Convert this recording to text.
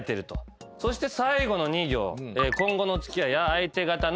そして最後の２行。